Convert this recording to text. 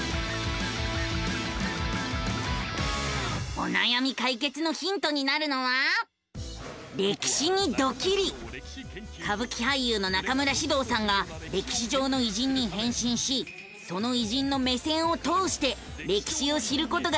おなやみ解決のヒントになるのは歌舞伎俳優の中村獅童さんが歴史上の偉人に変身しその偉人の目線を通して歴史を知ることができる番組なのさ！